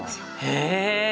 へえ。